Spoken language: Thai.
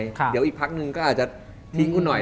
อยากแล้วอีกพักนึงก็อาจจะทิ้งคุณหน่อย